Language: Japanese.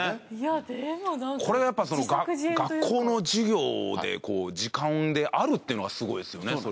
これがやっぱ学校の授業で時間であるっていうのがすごいですよね